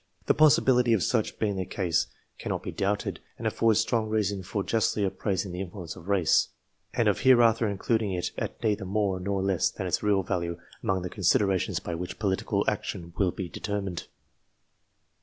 The possibility of such being the case cannot be doubted, and affords strong reason for justly appraising the influence of race, and of hereafter including it at neither more nor less than its real value, among the considerations by which political action will be determined.